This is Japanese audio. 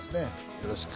よろしく。